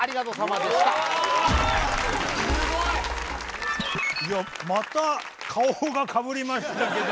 また「顔」がかぶりましたけど。